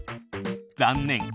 残念。